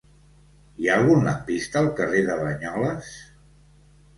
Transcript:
Hi ha algun lampista al carrer de Banyoles?